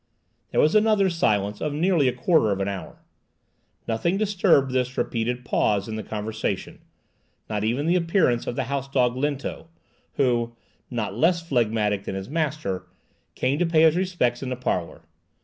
There was another silence of nearly a quarter of an hour. Nothing disturbed this repeated pause in the conversation; not even the appearance of the house dog Lento, who, not less phlegmatic than his master, came to pay his respects in the parlour.